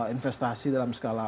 investasi dalam skala